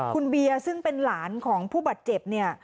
คุณเบียร์ซึ่งเป็นหลานของผู้บาดเจ็บเนี่ย